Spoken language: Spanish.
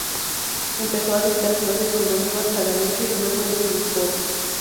Empezó a dictar clases en Bolívar, Saladillo y luego en Chivilcoy.